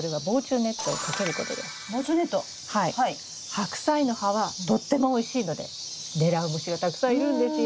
ハクサイの葉はとってもおいしいので狙う虫がたくさんいるんですよ。